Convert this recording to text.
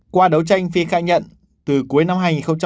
qua đấu tranh phi khai nhận từ cuối năm hai nghìn hai mươi hai